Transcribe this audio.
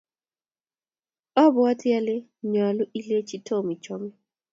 obwoti ale nyoluu ilenchi Tom ichome